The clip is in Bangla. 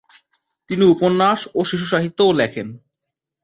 তিনি উপন্যাস ও শিশুসাহিত্যও লেখেন।